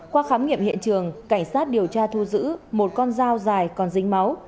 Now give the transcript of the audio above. qua khám nghiệm hiện trường cảnh sát điều tra thu giữ một con dao dài còn dính máu